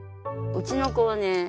うちの子はね